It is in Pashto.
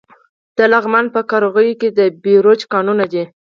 د لغمان په قرغیو کې د بیروج کانونه دي.